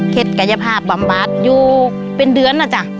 กายภาพบำบัดอยู่เป็นเดือนนะจ๊ะ